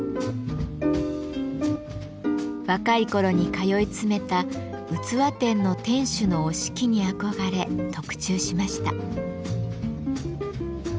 若い頃に通い詰めた器店の店主の折敷に憧れ特注しました。